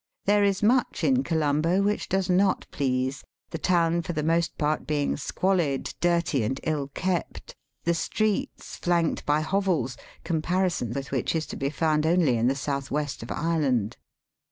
There is much in Colombo which does not please^ the town for the most part being squalid,, dirty, and ill kept, the streets flanked by hovels, comparison with which is to be found only in the south west of Ireland.